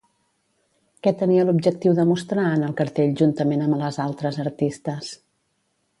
Què tenia l'objectiu de mostrar en el cartell juntament amb les altres artistes?